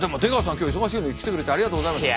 今日忙しいのに来てくれてありがとうございました。